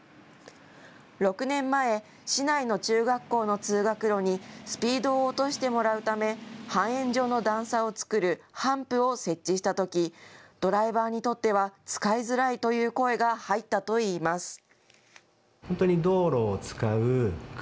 ６年前、市内の中学校の通学路にスピードを落としてもらうため半円状の段差を作るハンプを設置したとき、ドライバーにとっては使いづらいという声が入ったといいます。